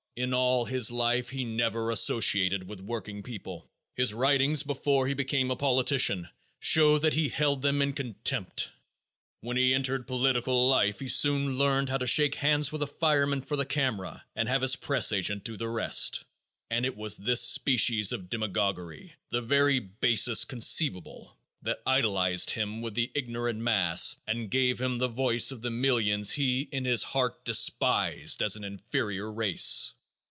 In all his life he never associated with working people. His writings, before he became a politician, show that he held them in contempt. When he entered political life he soon learned how to shake hands with a fireman for the camera and have his press agent do the rest, and it was this species of demagoguery, the very basest conceivable, that idolized him with the ignorant mass and gave him the votes of the millions he in his heart despised as an inferior race.